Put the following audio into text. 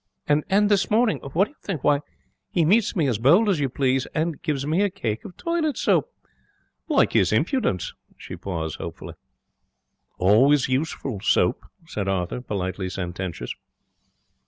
'And this morning what do you think? Why, he meets me as bold as you please, and gives me a cake of toilet soap. Like his impudence!' She paused, hopefully. 'Always useful, soap,' said Arthur, politely sententious.